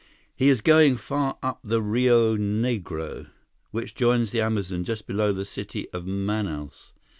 "He is going far up the Rio Negro, which joins the Amazon just below the city of Manaus.